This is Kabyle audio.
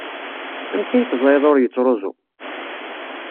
Amek ay teẓriḍ ur yettruẓu?